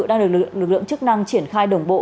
đang được lượng chức năng triển khai đồng bộ